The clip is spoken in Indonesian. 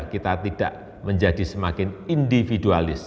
kita tidak menjadi semakin individualis